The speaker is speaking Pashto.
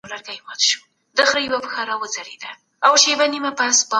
خلکو د سياسي قدرت د بدلون له پاره هڅي کړي دي.